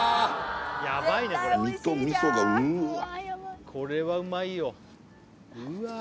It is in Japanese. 身と味噌がうわっ